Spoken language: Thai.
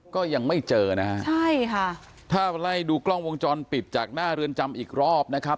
ก็ยังไม่เจอนะฮะใช่ค่ะถ้าไล่ดูกล้องวงจรปิดจากหน้าเรือนจำอีกรอบนะครับ